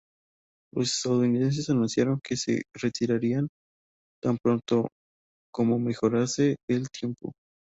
Los estadounidenses anunciaron que se retirarían tan pronto como mejorase el tiempo.